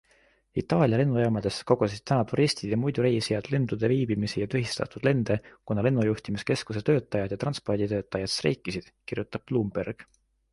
Itaalia lennujaamades kogesid täna turistid ja muidu reisijad lendude viibimisi ja tühistatud lende, kuna lennujuhtimiskeskuse töötajad ja transporditöötajad streikisid, kirjutab Bloomberg.